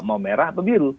mau merah apa biru